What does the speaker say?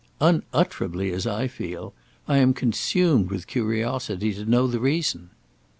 "Unutterably, as I feel. I am consumed with curiosity to know the reason."